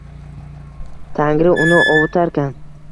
Tangri uni ovutarkan.